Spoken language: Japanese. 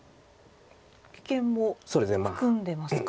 危険も含んでますか。